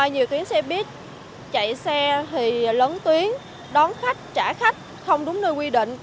nhiều tuyến xe buýt chạy xe thì lớn tuyến đón khách trả khách không đúng nơi quy định